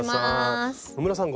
野村さん